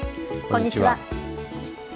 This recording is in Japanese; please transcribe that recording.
こんにちは。